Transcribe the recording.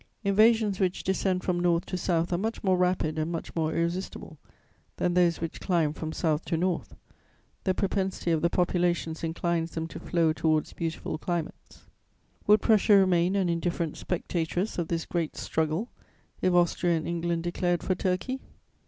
Invasions which descend from north to south are much more rapid and much more irresistible than those which climb from south to north: the propensity of the populations inclines them to flow towards beautiful climates. [Sidenote: Memorandum.] "Would Prussia remain an indifferent spectatress of this great struggle, if Austria and England declared for Turkey?